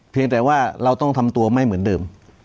เพียงแต่ว่าเราต้องทำตัวไม่เหมือนเดิม